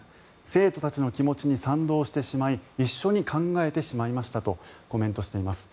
生徒たちの気持ちに賛同してしまい一緒に考えてしまいましたとコメントしています。